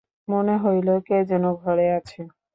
মনে হইল, কে যেন ঘরে আছে।